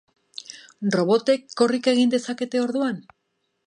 Robotek korrika egin dezakete, orduan?